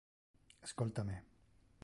Ascolta me.